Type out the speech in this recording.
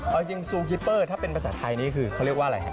เอาจริงซูคิเปอร์ถ้าเป็นภาษาไทยนี่คือเขาเรียกว่าอะไรครับ